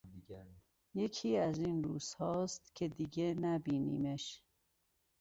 یکی از این روزهاست که دیگه نبینیمش...